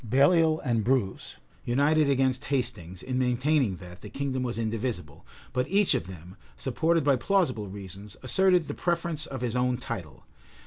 Baliol and Bruce united against Hastings, in maintaining that, the kingdom was indivisible; but each of them, supported by plausible reasons, asserted the preference of his own title.